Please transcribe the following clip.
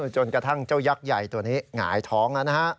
จนกระทั่งเจ้ายักษ์ใหญ่ตัวนี้หงายท้องแล้วนะฮะ